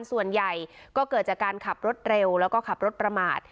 ส่วนใหญ่ก็เกิดจากการขับรถเร็วแล้วก็ขับรถประมาท